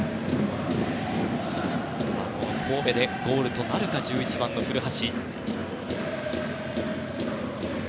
この神戸でゴールとなるか１１番、古橋。